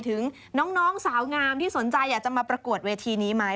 ถึงน้องสาวงามที่สนใจอยากจะมาประกวดเวทีนี้ไหม